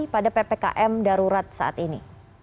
pada ppkm darurat saat ini